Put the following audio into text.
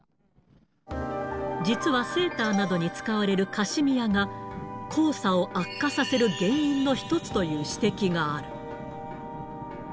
実はセーターなどに使われるカシミヤが、黄砂を悪化させる原因の一つという指摘がある。